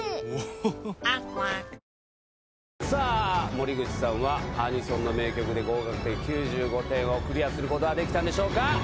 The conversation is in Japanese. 森口さんは「アニソン」の名曲で合格点９５点をクリアすることができたんでしょうか？